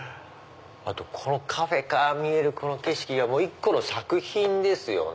このカフェから見える景色が１個の作品ですよね。